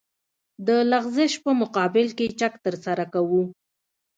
د لغزش په مقابل کې چک ترسره کوو